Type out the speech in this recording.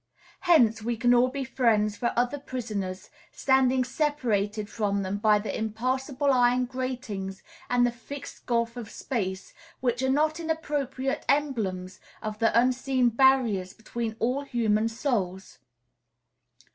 Hence, we can all be friends for other prisoners, standing separated from them by the impassable iron gratings and the fixed gulf of space, which are not inappropriate emblems of the unseen barriers between all human souls.